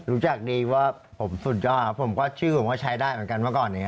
รู้จักดีว่าผมสุดยอดครับผมก็ชื่อผมก็ใช้ได้เหมือนกันเมื่อก่อนนี้